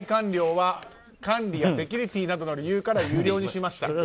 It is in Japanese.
拝観料は管理やセキュリティーなどの理由から有料にしました。